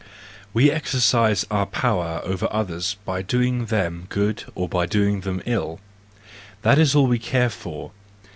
—We exercise our power over others by doing them good or by doing them ill—that is all we care for!